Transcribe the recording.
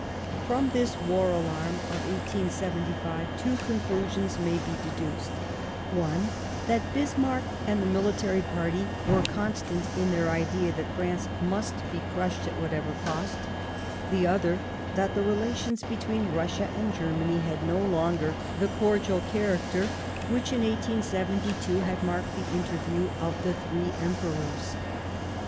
From this war alarm of 1875 two conclusions may be deduced : one that Bismarck and the mili tary party were constant to their idea that France must be crushed at whatever cost ; the other, that the relations between Russia and Germany had no longer the cordial character which, in 1872, had marked the. interview of the three Emperors.